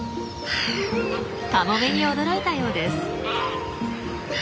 カモメに驚いたようです。